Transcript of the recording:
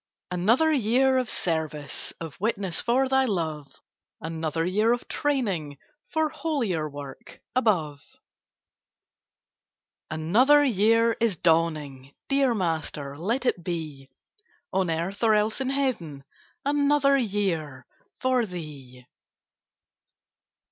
Another year of service, Of witness for Thy love; Another year of training For holier work above. Another year is dawning! Dear Master, let it be On earth, or else in heaven, Another year for Thee!